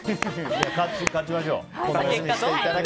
勝ちましょう。